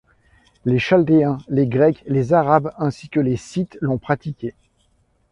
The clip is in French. Les Chaldéens, les Grecs, les Arabes ainsi que les Scythes l'ont pratiquée.